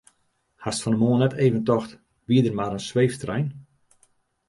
Hast fan 'e moarn net even tocht wie der mar in sweeftrein?